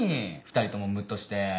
２人ともムッとして。